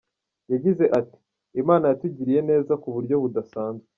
Yagize ati “Imana yatugiriye neza ku buryo budasazwe.